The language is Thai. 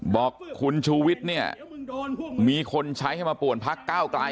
บอกคุณชุวิตเนี่ยมีคนใช้มาปวดพักก้าวกลาย